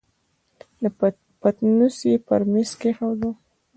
پتنوس يې پر مېز کېښود.